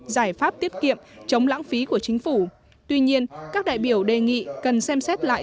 giải pháp tiết kiệm chống lãng phí của chính phủ tuy nhiên các đại biểu đề nghị cần xem xét lại